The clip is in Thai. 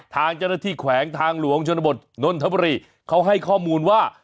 ทางเจ้าหน้าที่แขวงทางหลวงชนบทนนทบุรีเขาให้ข้อมูลว่า